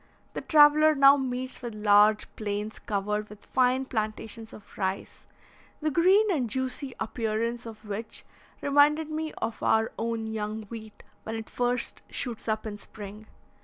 The traveller now meets with large plains covered with fine plantations of rice, the green and juicy appearance of which reminded me of our own young wheat when it first shoots up in spring.